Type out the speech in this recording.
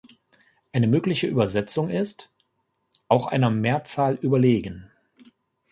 Eine mögliche Übersetzung ist „Auch einer Mehrzahl überlegen“.